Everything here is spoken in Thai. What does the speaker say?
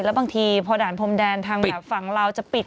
แล้วบางทีพอด่านพรมแดนทางแบบฝั่งลาวจะปิด